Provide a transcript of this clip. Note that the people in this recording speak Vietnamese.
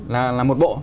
là một bộ